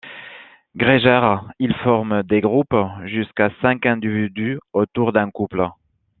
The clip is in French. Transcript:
Grégaire, il forme des groupes jusqu'à cinq individus autour d'un couple.